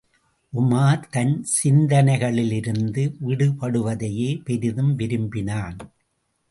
உமார், தன் சிந்தனைகளிலிருந்து விடுபடுவதையே பெரிதும் விரும்பினான்.